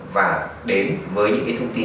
và đến với những cái thông tin